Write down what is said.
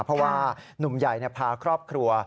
เพราะว่านุ่มใหญ่พาครอบครัว